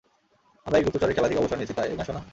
আমরা এই গুপ্তচরের খেলা থেকে অবসর নিয়েছি, তাই না, সোনা?